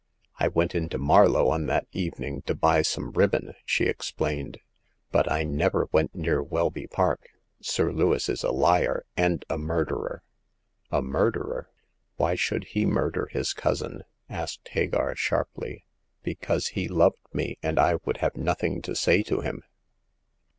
I went into Marlow on that evening to buy some ribbon," she explained, but I never went near Welby Park. Sir Lewis is a liar and a murderer !"A murderer ? Why should he murder his cousin ?" asked Hagar, sharply. Because he loved me, and I would have nothing to say to him."